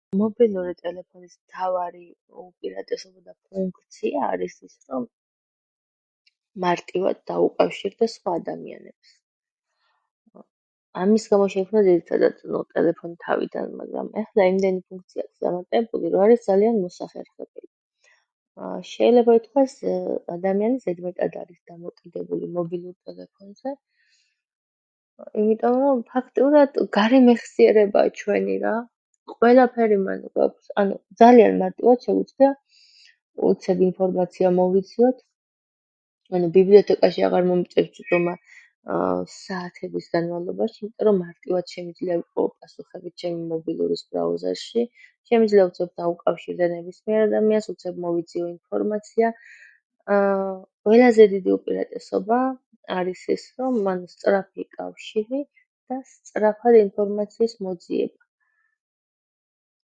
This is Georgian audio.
მობილური ტელეფონის მთავარი უპირატესობა და ფუნქცია არის, რომ მარტივად დაუკავშირდეს სხვა ადამიანებს. ამის გამო შეიძლება ძირითადად რომ გვაქვს ტელეფონი თავიდანვე. ეხლა იმდენი ფუნქცია აქვს დამატებული, რომ არის ძალიან მოსახერხებელი. შეიძლება ითქვას ადამიანი ზედმეტად არის დამოკიდებული მობილურ ტელეფონზე, იმიტომ რომ ფაქტიურად გარე მეხსიერებაა ჩვენი რა, ყველაფერი მანდ გვაქვს, ანუ ძალიან მარტივად შეგვიძლია უცებ ინფორმაცია მოვიძიოთ, ანუ ბიბლიოთეკაში აღარ მომიწევს ჯდომა საათების განმავლობაში, რომ მარტივად შემიძლია ვიპოვო ასეთები ჩემი მობილურის ბრაუზერში, შემიძლია უცებ დავუკავშირდე ნებისმიერ ადამიანს, უცებ მოვიძიო ინფორმაცია. ყველაზე დიდი უპირატესობა არის ის, რომ მაქვს სწრაფი კავშირი და სწრაფად ინფორმაციის მოძიება.